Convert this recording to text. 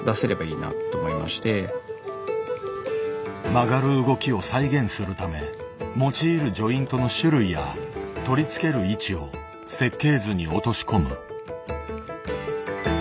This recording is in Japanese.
曲がる動きを再現するため用いるジョイントの種類や取り付ける位置を設計図に落とし込む。